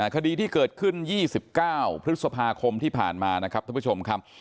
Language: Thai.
คดีที่เกิดขึ้น๒๙พฤษภาคมที่ผ่านมานะครับท่านผู้ชมครับ